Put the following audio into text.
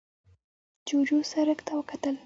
جوجو سرک ته وکتل.